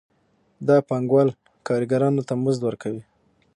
دا پانګوال کارګرانو ته مزد ورکوي